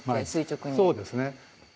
そうですね。